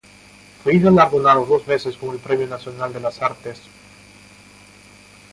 Fue galardonado dos veces con el Premio Nacional de la Artes.